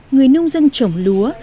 người nông dân trồng lúa